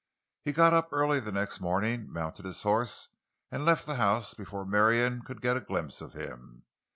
He got up early the next morning, mounted his horse and left the house before Marion could get a glimpse of him.